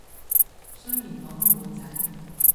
雖然我都冇仔